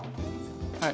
はい。